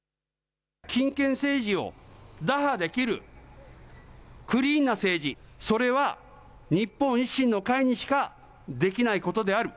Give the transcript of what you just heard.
金権政治を打破できるクリーンな政治、それは日本維新の会にしかできないことである。